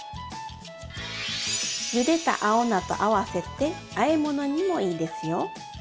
ゆでた青菜と合わせてあえ物にもいいですよ。